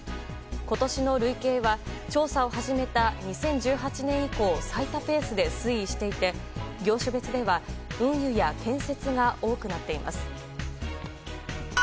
今年の累計は調査を始めた２０１８年以降最多ペースで推移していて業種別では運輸や建設が多くなっています。